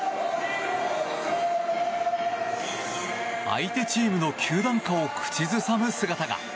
相手チームの球団歌を口ずさむ姿が。